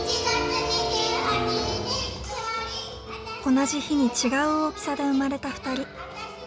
同じ日に違う大きさで生まれたふたり。